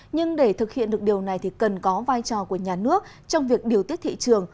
nhưng để thực hiện được điều này thì cần có vai trò của nhà nước trong việc điều tiết thị trường